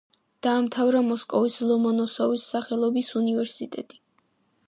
დაამთავრა მოსკოვის ლომონოსოვის სახელობის უნივერსიტეტი.